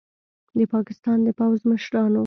د پاکستان د پوځ مشرانو